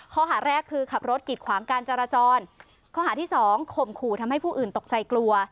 ข้อหาแรกคือขับรถกิดขวางการจราจรข้อหาที่สองข่มขู่ทำให้ผู้อื่นตกใจกลัว